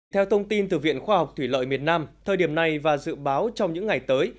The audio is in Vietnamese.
theo thông tin từ viện khoa học thủy lợi miền nam thời điểm này và dự báo trong những ngày tới